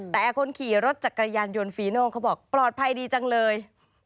แต่คนขี่รถจักรยานยนต์ฟีโน่เขาบอกปลอดภัยดีจังเลย